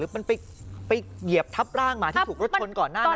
มันไปเหยียบทับร่างหมาที่ถูกรถชนก่อนหน้านั้น